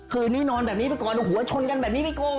คืนนี้นอนแบบนี้ไปก่อนหัวชนกันแบบนี้ไปก่อน